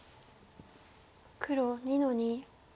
黒２の二。